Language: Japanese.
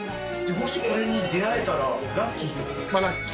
もしこれに出会えたらラッキー？